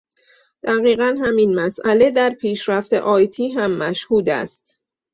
دقیقا همین مساله در پیشرفت آی تی هم مشهود است.